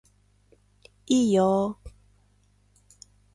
いいよー